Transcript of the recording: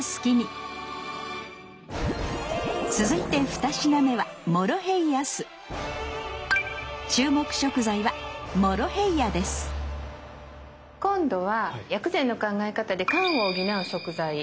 続いて２品目は注目食材はモロヘイヤです今度は薬膳の考え方で「肝」を補う食材になります。